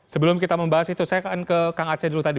sebelum kita membahas itu saya akan ke kang aceh dulu tadi